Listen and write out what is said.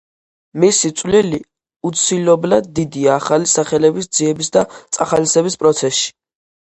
მისი წვლილი უცილობლად დიდია ახალი სახელების ძიების და წახალისების პროცესში.